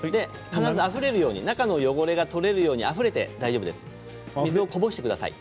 必ずあふれるようになる中の汚れが取れるようにあふれて大丈夫です水をこぼしてください。